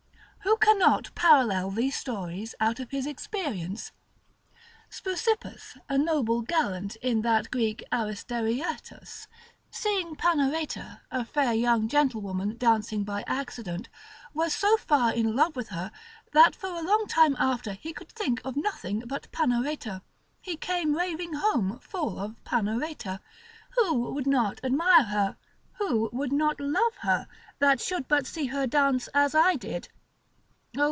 Who cannot parallel these stories out of his experience? Speusippas a noble gallant in that Greek Aristenaetus, seeing Panareta a fair young gentlewoman dancing by accident, was so far in love with her, that for a long time after he could think of nothing but Panareta: he came raving home full of Panareta: Who would not admire her, who would not love her, that should but see her dance as I did?